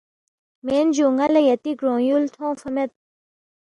مین جو نالا یاتی گرونگ یول تھونگفہ مید جو ۔